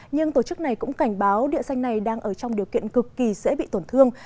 nhưng tổ chức này cũng cảnh báo địa danh này đang ở trong điều kiện cực kỳ dễ bị tổn thương